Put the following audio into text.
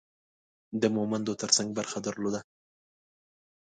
د مومندو ترڅنګ برخه درلوده.